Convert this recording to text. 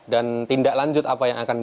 dan tindak lanjut apa yang akan